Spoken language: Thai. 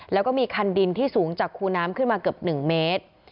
แล้วก็มีคันดินที่สูงจากคูน้ำขึ้นมาเกือบ๑เมตร